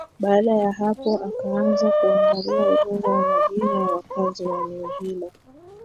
Baada ya hapo akaanza kuangalia orodha ya majina ya wakazi wa eneo hilo